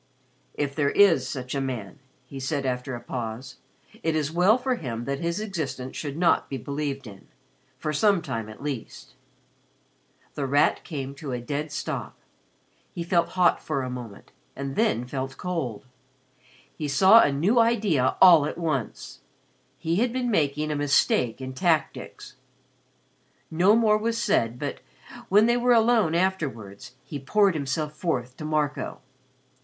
"If there is such a man," he said after a pause, "it is well for him that his existence should not be believed in for some time at least." The Rat came to a dead stop. He felt hot for a moment and then felt cold. He saw a new idea all at once. He had been making a mistake in tactics. No more was said but, when they were alone afterwards, he poured himself forth to Marco.